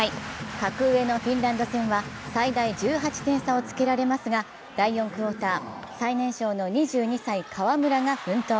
格上のフィンランド戦は最大１８点差をつけられますが第４クオーター、最年少の２２歳河村が奮闘。